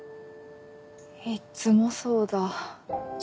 いっつもそうだ。